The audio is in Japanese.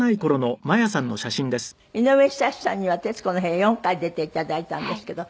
井上ひさしさんには『徹子の部屋』４回出て頂いたんですけど。